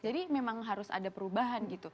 jadi memang harus ada perubahan gitu